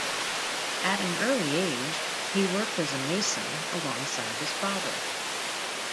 At an early age, he worked as a mason alongside his father.